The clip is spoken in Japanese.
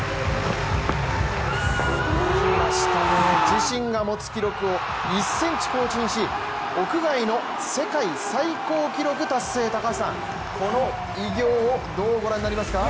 自身が持つ記録を１ｃｍ更新し屋外の世界最高記録達成、高橋さん、この偉業をどうご覧になりますか？